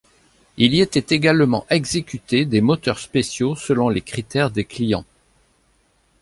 Il y était également exécuté des moteurs spéciaux selon les critères des clients.